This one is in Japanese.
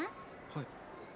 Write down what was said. はい。